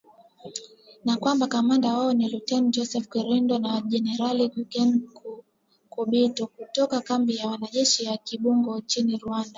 Na kwamba kamanda wao ni Luteni Joseph Rurindo na Generali Eugene Nkubito, kutoka kambi ya kijeshi ya Kibungo nchini Rwanda